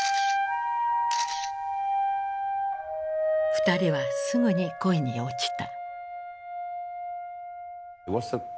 二人はすぐに恋に落ちた。